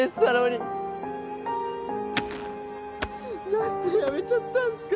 なんで辞めちゃったんすか。